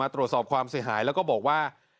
ตรวจสอบความเสียหายแล้วก็บอกว่า